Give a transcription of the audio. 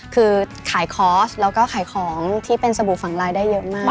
คือขายคอร์สแล้วก็ขายของที่เป็นสบู่ฝั่งลายได้เยอะมาก